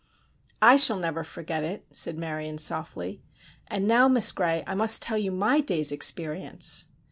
"I shall never forget it," said Marion, softly. "And now, Miss Gray, I must tell you my day's experience."